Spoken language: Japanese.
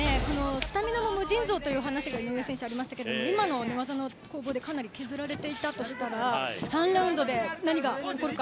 スタミナも無尽蔵という話が井上選手ありましたが今の寝技の攻防でかなり削られていたとしたら３ラウンドで何が起こるか。